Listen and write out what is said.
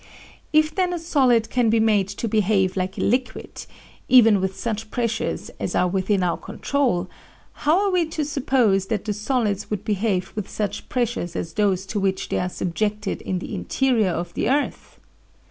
"If then a solid can be made to behave like a liquid, even with such pressures as are within our control, how are we to suppose that the solids would behave with such pressures as those to which they are subjected in the interior of the earth?